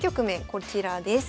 こちらです。